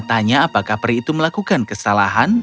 tanya apakah peri itu melakukan kesalahan